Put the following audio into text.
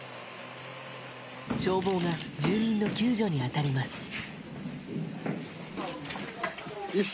消防が住民の救助に当たります。